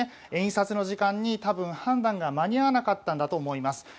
印刷の時間に多分判断が間に合わなかったんだと思います。